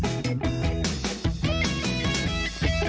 สวัสดีค่ะสวัสดีครับสวัสดีครับ